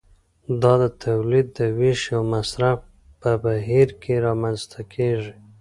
دا د تولید د ویش او مصرف په بهیر کې رامنځته کیږي.